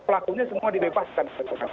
pelakunya semua dibebaskan